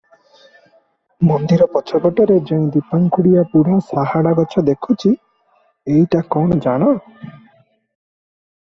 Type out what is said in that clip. ମନ୍ଦିର ପଛପଟରେ ଯେଉଁ ଦିଫାଙ୍କୁଡିଆ ବୁଢ଼ା ସାହାଡ଼ା ଗଛ ଦେଖୁଛ, ଏଇଟା କଣ ଜାଣ?